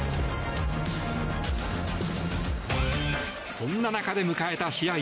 そんな中で迎えた試合。